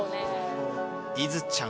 いずちゃん。